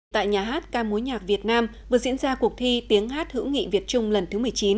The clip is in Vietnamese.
tại nhà hát ca mối nhạc việt nam vừa diễn ra cuộc thi tiếng hát hữu nghị việt trung lần thứ một mươi chín